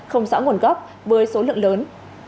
không rõ nguồn gốc với số lượng lớn